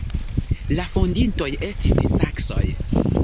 La fondintoj estis saksoj.